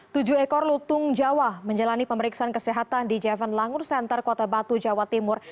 tujuh ekor lutung jawa menjalani pemeriksaan kesehatan di javan langur center kota batu jawa timur